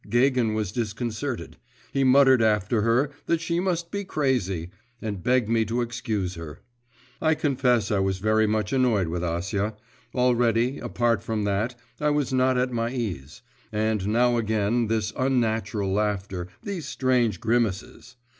Gagin was disconcerted; he muttered after her that she must be crazy, and begged me to excuse her. I confess I was very much annoyed with Acia; already, apart from that, I was not at my ease; and now again this unnatural laughter, these strange grimaces.